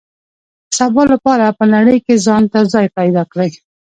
د سبا لپاره په نړۍ کې ځان ته ځای پیدا کړي.